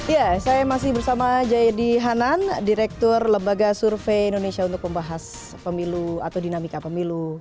ya saya masih bersama jayadi hanan direktur lembaga survei indonesia untuk membahas pemilu atau dinamika pemilu